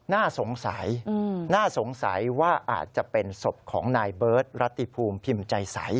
น่าสงสัยน่าสงสัยว่าอาจจะเป็นศพของนายเบิร์ตรัติภูมิพิมพ์ใจใส